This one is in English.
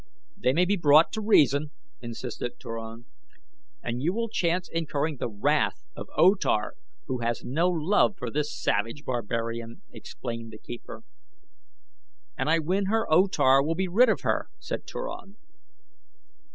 "They may be brought to reason," insisted Turan. "And you will chance incurring the wrath of O Tar, who has no love for this savage barbarian," explained the keeper. "And I win her O Tar will be rid of her," said Turan.